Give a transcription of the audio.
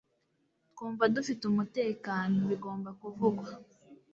twumva dufite umutekano, bigomba kuvugwa